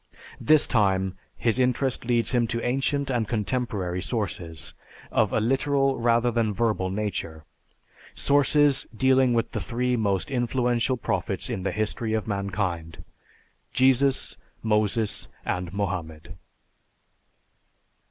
This time his interest leads him to ancient and contemporary sources, of a literal rather than verbal nature; sources dealing with the three most influential prophets in the history of mankind, Jesus, Moses, and Mohammed.